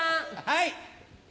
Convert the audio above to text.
はい。